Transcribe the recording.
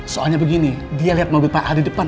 soalnya begini dia liat mobil pak al di depan